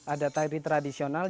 ada tari tradisional